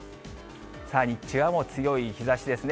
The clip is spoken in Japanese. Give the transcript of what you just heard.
日中は強い日ざしですね。